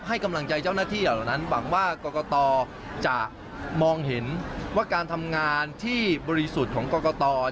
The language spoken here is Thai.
ให้กำลังใจเจ้าหน้าที่เหล่านั้นหวังว่ากรกตจะมองเห็นว่าการทำงานที่บริสุทธิ์ของกรกต